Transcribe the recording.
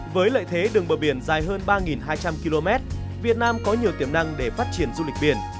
với lợi thế đường bờ biển dài hơn ba hai trăm linh km việt nam có nhiều tiềm năng để phát triển du lịch biển